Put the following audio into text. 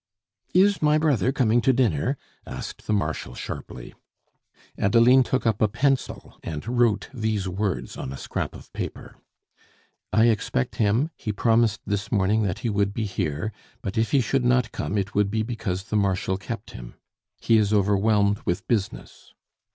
"Is my brother coming to dinner?" asked the Marshal sharply. Adeline took up a pencil and wrote these words on a scrap of paper: "I expect him; he promised this morning that he would be here; but if he should not come, it would be because the Marshal kept him. He is overwhelmed with business."